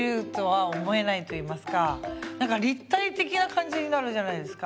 なんか立体的な感じになるじゃないですか。